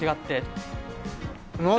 何？